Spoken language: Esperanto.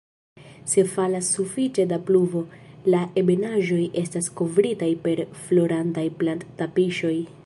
Se falas sufiĉe da pluvo, la ebenaĵoj estas kovritaj per florantaj plant-"tapiŝoj".